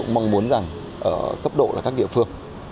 mong muốn rằng ở cấp độ là các địa phương